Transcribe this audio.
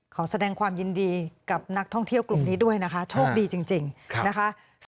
ขอแสดงความยินดีกับนักท่องเที่ยวกลุ่มนี้ด้วยนะคะโชคดีจริงนะคะ